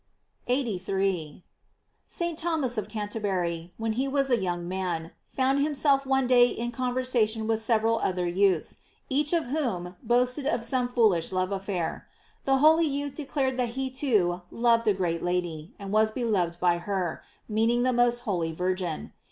f 83. — St. Thomas of Canterbury, when he was a young man, found himself one day in conver sation with several other youths, each of whom boasted of some foolish love affair. The holy youth declared that he, too, loved a great lady, and was beloved by her, meaning the most holy Virgin.